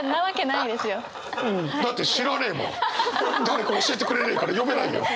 誰か教えてくれねえから呼べないよ！